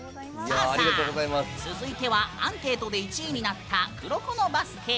続いてはアンケートで１位になった「黒子のバスケ」。